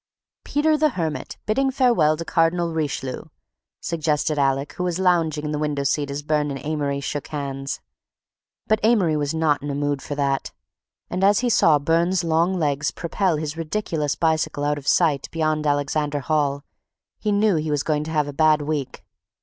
"Peter the Hermit bidding farewell to Cardinal Richelieu," suggested Alec, who was lounging in the window seat as Burne and Amory shook hands. But Amory was not in a mood for that, and as he saw Burne's long legs propel his ridiculous bicycle out of sight beyond Alexander Hall, he knew he was going to have a bad week.